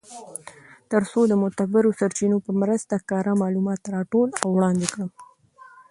تر څو د معتبرو سرچینو په مرسته کره معلومات راټول او وړاندی کړم .